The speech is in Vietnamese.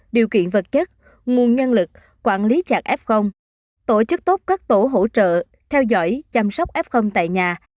viện vật chất nguồn nhân lực quản lý trạng f tổ chức tốt các tổ hỗ trợ theo dõi chăm sóc f tại nhà